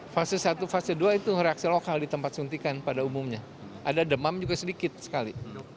fase satu fase dua itu reaksi lokal di tempat suntikan pada umumnya ada demam juga sedikit sekali